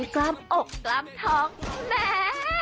กล้ามอกกล้ามท้องแหม